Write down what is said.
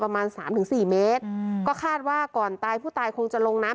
ประมาณสามถึงสี่เมตรอืมก็คาดว่าก่อนตายผู้ตายคงจะลงน้ำ